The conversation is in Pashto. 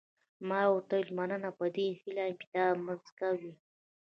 ما ورته وویل مننه په دې هیله یم چې دا مځکه وي.